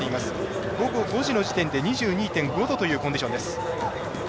午後４時の時点で２２．５度というコンディション。